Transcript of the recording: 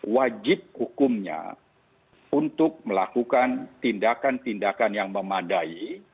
wajib hukumnya untuk melakukan tindakan tindakan yang memadai